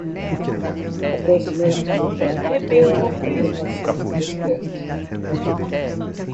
A próxima etapa é a automação dos testes.